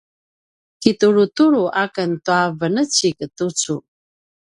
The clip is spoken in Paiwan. kitulutulu aken tua venecik tucu